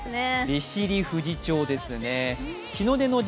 利尻富士町ですね。